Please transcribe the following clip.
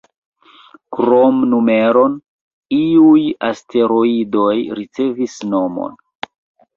Krom numeron, iuj asteroidoj ricevis nomon.